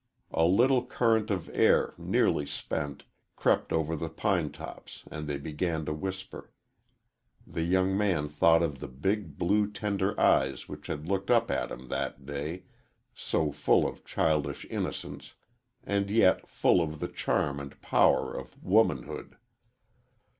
A little current of air, nearly spent, crept over the pine tops and they began to whisper. The young man thought of the big, blue, tender eyes which had looked up at him that day, so full of childish innocence and yet full of the charm and power of womanhood.